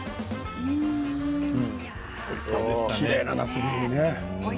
きれいななすびだね。